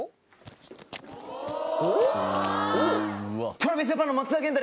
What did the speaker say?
ＴｒａｖｉｓＪａｐａｎの松田元太です！